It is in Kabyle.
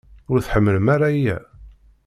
Ur tḥemmlem ara aya?